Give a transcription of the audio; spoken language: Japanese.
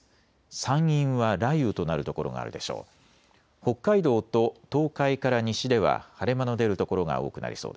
山陰は雷雨となる所があるでしょう。